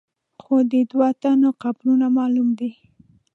خو د دوو تنو قبرونه معلوم دي.